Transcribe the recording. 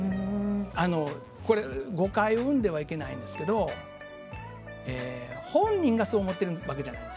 これは、誤解を生んではいけないんですけど本人がそう思っているわけじゃないです